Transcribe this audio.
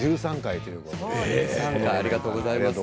ありがとうございます。